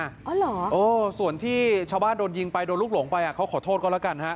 อ๋อเหรอเออส่วนที่ชาวบ้านโดนยิงไปโดนลูกหลงไปเขาขอโทษก็แล้วกันฮะ